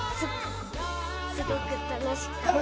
すごく楽しかった！